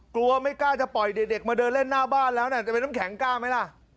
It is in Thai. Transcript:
กลัวไม่กล้าจะปล่อยเด็กมาเดินเล่นหน้าบ้านแล้วนะจะเป็นน้ำแข็งกล้าไหมล่ะ